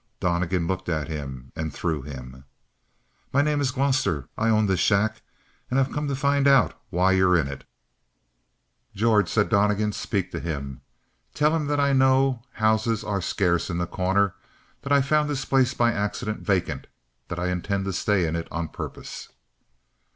Donnegan looked at him and through him. "My name is Gloster. I own this shack and I've come to find out why you're in it." "George," said Donnegan, "speak to him. Tel! him that I know houses are scarce in The Corner; that I found this place by accident vacant; that I intend to stay in it on purpose."